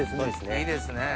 いいですね。